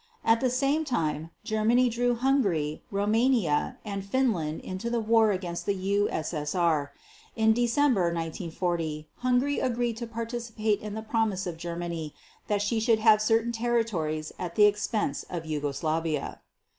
At the same time Germany drew Hungary, Rumania, and Finland into the war against the U.S.S.R. In December 1940 Hungary agreed to participate on the promise of Germany that she should have certain territories at the expense of Yugoslavia.